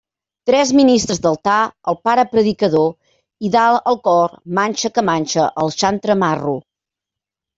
Tres ministres d'altar, el pare predicador, i dalt al cor manxa que manxa el xantre Marro.